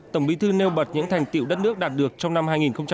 tổng bí thư nêu bật những thành tiệu đất nước đạt được trong năm hai nghìn một mươi bảy